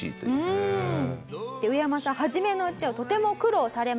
ウエヤマさん初めのうちはとても苦労されました。